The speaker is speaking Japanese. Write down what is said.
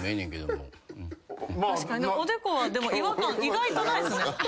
確かにおでこはでも違和感意外とないですね。